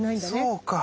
そうか。